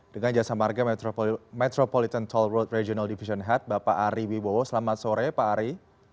dengan jasa marga metropolitan toll road regional division head bapak ari wibowo selamat sore pak ari